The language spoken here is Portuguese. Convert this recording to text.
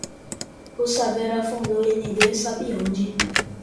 O saveiro afundou é ninguém sabe onde.